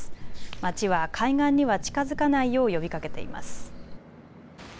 町は海岸には近づかないよう呼びかけています。